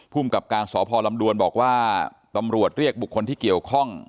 กับการสพลำดวนบอกว่าตำรวจเรียกบุคคลที่เกี่ยวข้อง